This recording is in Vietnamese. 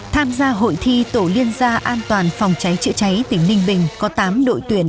tham gia hội thi tổ liên gia an toàn phòng cháy chữa cháy tỉnh ninh bình có tám đội tuyển